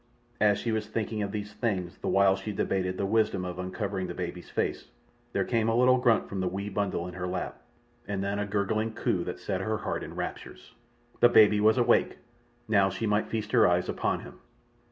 As she was thinking of these things the while she debated the wisdom of uncovering the baby's face, there came a little grunt from the wee bundle in her lap, and then a gurgling coo that set her heart in raptures. The baby was awake! Now she might feast her eyes upon him.